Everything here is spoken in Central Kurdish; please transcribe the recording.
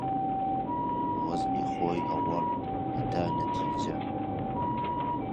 وەزعی خۆی ئەووەڵ، هەتا نەتیجە